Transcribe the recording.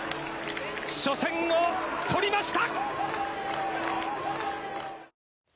初戦をとりました！